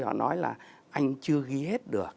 họ nói là anh chưa ghi hết được